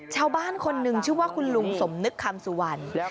ชาวบ้านคนหนึ่งชื่อว่าคุณลุงสมนึกคำสุวรรณ